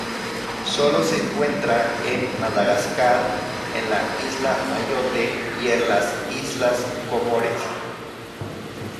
Sólo se encuentra en Madagascar, en la isla Mayotte y en las islas Comores.